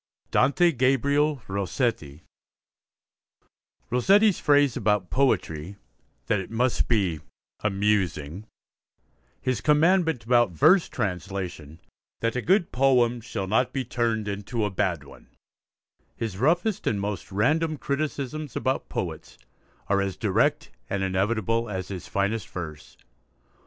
DANTE GABRIEL ROSSETTI Rossetti's phrase about poetry, that it must be 'amusing'; his 'commandment' about verse translation, 'that a good poem shall not be turned into a bad one'; his roughest and most random criticisms about poets, are as direct and inevitable as his finest verse.